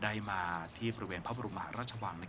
ได้มาที่บริเวณพระบรมหาราชวัง